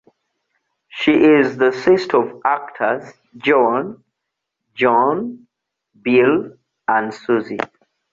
She is the sister of actors Joan, John, Bill, and Susie.